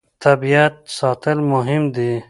طبیعت ساتل مهم دي.